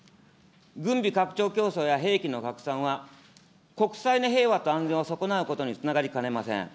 軍備拡張競争や兵器の拡散は国際の平和と安全を損なうことにつながりません。